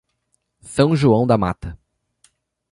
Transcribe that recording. São João da Mata